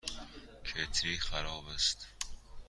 کتری خراب است.